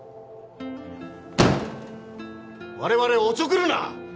我々をおちょくるな！